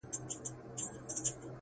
• د غیرت او د ناموس خبره ولاړه -